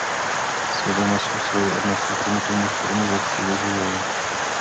Свядомасць у сваёй адносна прымітыўнай форме ўласціва і жывёлам.